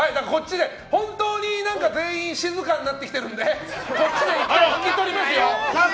本当に全員静かになってきてるんでこっちで１回引き取りますよ。